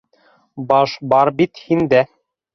Баш бар бит һиндә.